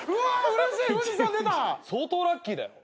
相当ラッキーだよ。